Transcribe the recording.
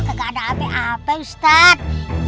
gak ada apa apa ustaz